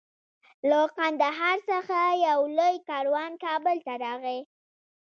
له قندهار څخه یو لوی کاروان کابل ته راغی.